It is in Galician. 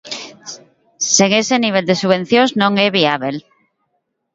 Sen ese nivel de subvencións, non é viábel.